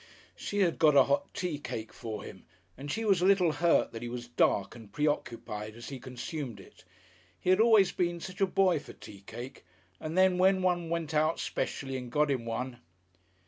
She had got a hot teacake for him, and she was a little hurt that he was dark and preoccupied as he consumed it. He had always been such a boy for teacake, and then when one went out specially and got him one